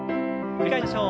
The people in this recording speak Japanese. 繰り返しましょう。